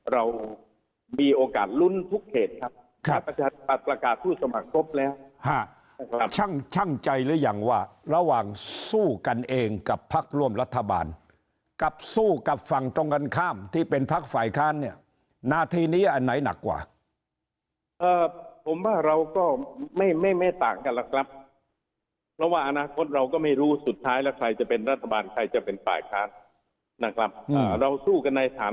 เรามีโอกาสลุ้นทุกเกตครับครับประชาธิบัตรประกาศผู้สมัครครบแล้วช่างใจหรือยังว่าระหว่างสู้กันเองกับภักร์ร่วมรัฐบาลกับสู้กับฝั่งตรงกันข้ามที่เป็นภักร์ฝ่ายค้านเนี่ยหน้าทีนี้อันไหนหนักกว่าผมว่าเราก็ไม่ไม่ไม่ต่างกันละครับเพราะว่าอนาคตเราก็ไม่รู้สุดท้ายแล้วใครจะเป็นรัฐ